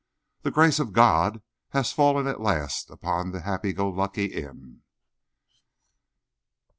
The grace of God has fallen at last upon the Happy Go Lucky Inn.